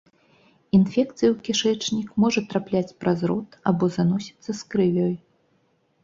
Інфекцыя ў кішэчнік можа трапляць праз рот або заносіцца з крывёй.